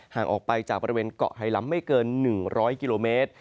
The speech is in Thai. ห่างออกไปจากบริเวณเกาะไฮล้ำไม่เกิน๑๐๐กิโลเมตร